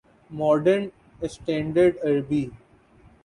modern standard Arabi